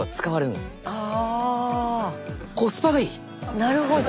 なるほど。